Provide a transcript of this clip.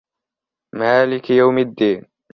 مَالِكِ يَوْمِ الدِّينِ